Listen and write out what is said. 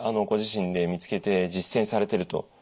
ご自身で見つけて実践されてると。